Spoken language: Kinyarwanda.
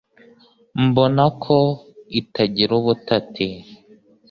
Mbona ko itagira ubutati